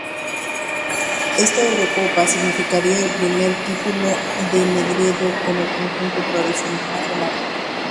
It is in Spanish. Esta Eurocopa significaría el primer título de Negredo con el conjunto nacional.